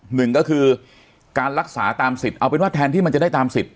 หนึ่งก็คือการรักษาตามสิทธิ์เอาเป็นว่าแทนที่มันจะได้ตามสิทธิ